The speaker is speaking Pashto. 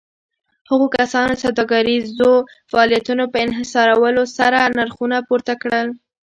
هغو کسانو د سوداګريزو فعاليتونو په انحصارولو سره نرخونه پورته کول.